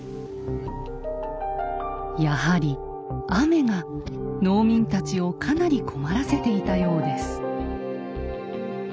やはり雨が農民たちをかなり困らせていたようです。